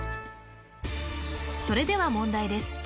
それでは問題です